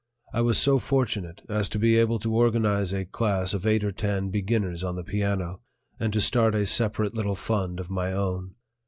I was so fortunate as to be able to organize a class of eight or ten beginners on the piano, and so start a separate little fund of my own.